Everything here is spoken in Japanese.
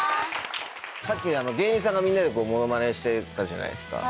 さっき芸人さんがみんなでモノマネしてたじゃないですか。